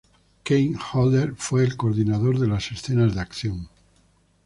Kane Hodder fue el coordinador de las escenas de acción.